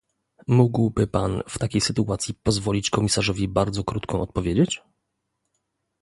Mógłby pan, w takiej sytuacji, pozwolić komisarzowi bardzo krótko odpowiedzieć?